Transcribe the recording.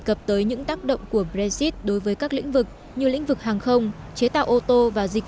cập tới những tác động của brexit đối với các lĩnh vực như lĩnh vực hàng không chế tạo ô tô và dịch